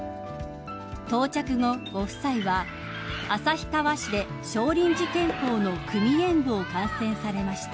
［到着後ご夫妻は旭川市で少林寺拳法の組演武を観戦されました］